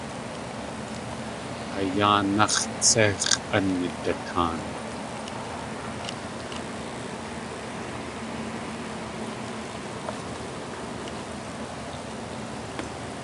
A yáanáx̲ tsé x̲ʼanidataan!